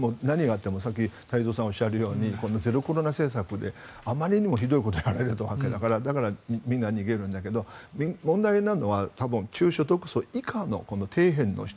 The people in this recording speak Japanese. これは太蔵さんがおっしゃるようにゼロコロナ政策で、あまりにもひどいことをやられたわけだからだからみんな逃げるんだけど問題なのは多分中所得層以下の底辺の人。